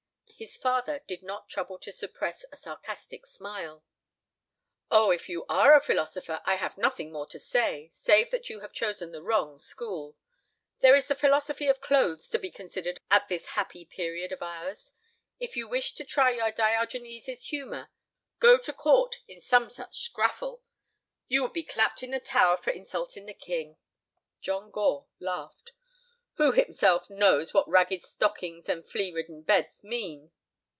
His father did not trouble to suppress a sarcastic smile. "Oh, if you are a philosopher I have nothing more to say, save that you have chosen the wrong school. There is the philosophy of clothes to be considered at this happy period of ours. If you wish to try your Diogenes' humor, go to court in some such scraffle. You would be clapped in the Tower for insulting the King." John Gore laughed. "Who himself knows what ragged stockings and flea ridden beds mean."